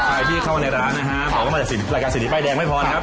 ใครที่เข้าในร้านนะฮะมาจากรายการสิริป้ายแดงไม่พอนะครับ